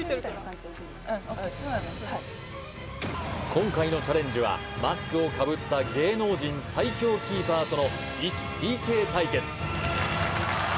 はい今回のチャレンジはマスクをかぶった芸能人最強キーパーとの異種ＰＫ対決